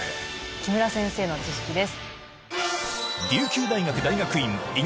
木村先生の知識です。